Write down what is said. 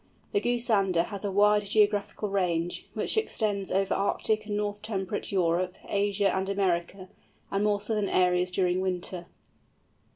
The Goosander has a wide geographical range, which extends over Arctic and North temperate Europe, Asia, and America, and more southern areas during winter.